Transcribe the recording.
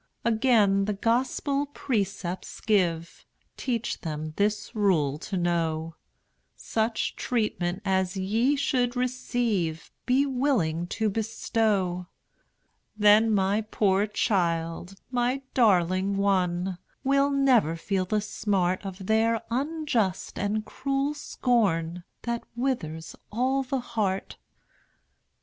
Again the Gospel precepts give; Teach them this rule to know, Such treatment as ye should receive, Be willing to bestow. Then my poor child, my darling one, Will never feel the smart Of their unjust and cruel scorn, That withers all the heart.